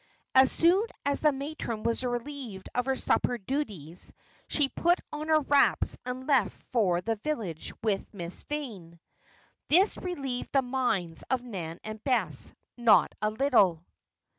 As soon as the matron was relieved of her supper duties she put on her wraps and left for the village with Miss Vane. This relieved the minds of Nan and Bess not a little.